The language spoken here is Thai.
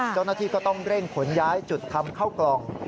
เจ้าหน้าที่ก็ต้องเร่งขนย้ายจุดทำเข้ากล่อง